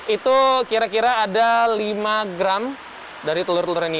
itu kira kira ada lima gram dari telur telur ini